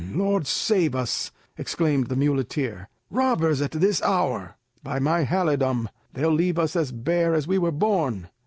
Lord save us!" exclaimed the muleteer. "Robbers at this hour! By my halidom, they'll leave us as bare as we were born."